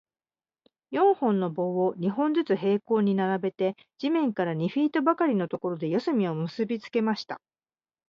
四本の棒を、二本ずつ平行に並べて、地面から二フィートばかりのところで、四隅を結びつけました。